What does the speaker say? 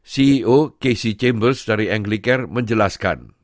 ceo casey chambers dari anglicare menjelaskan